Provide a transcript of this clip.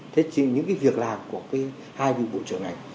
thế những việc làm của hai vị bộ trưởng này